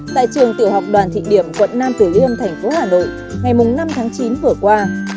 tại trường tiểu học đoàn thị điểm quận nam tử liêm thành phố hà nội ngày năm tháng chín vừa qua